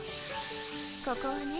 ここはね